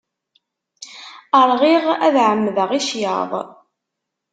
Rɣiɣ, ad ɛemmdeɣ i ccyaḍ-iw.